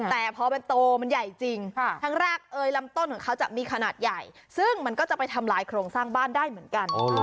แต่พอมันโตมันใหญ่จริงทั้งรากเอยลำต้นของเขาจะมีขนาดใหญ่ซึ่งมันก็จะไปทำลายโครงสร้างบ้านได้เหมือนกัน